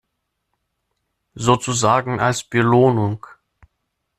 Sozusagen als Belohnung.